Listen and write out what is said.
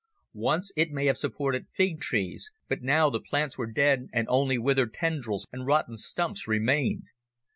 Once it may have supported fig trees, but now the plants were dead and only withered tendrils and rotten stumps remained.